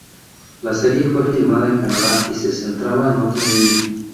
La serie fue filmada en Canadá y se centraba en otro niño.